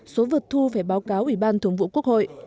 số vượt thu phải báo cáo ủy ban thường vụ quốc hội